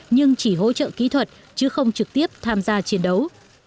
nhưng chỉ hỗ trợ kỹ thuật chứ không trực tiếp tham gia chiến đấu